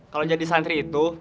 kalo jadi santri itu